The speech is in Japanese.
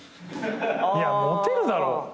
いやモテるだろ。